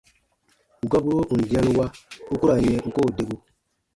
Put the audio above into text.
Gɔburo ù n dĩanu wa, u ku ra n yɛ̃ u koo debu.